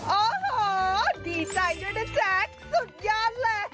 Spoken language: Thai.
โอ้โหดีใจด้วยนะแจ๊คสุดยอดเลย